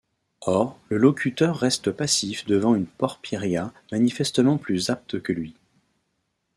Or, le locuteur reste passif devant une Porphyria manifestement plus apte que lui.